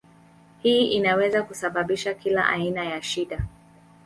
Hii inaweza kusababisha kila aina ya shida.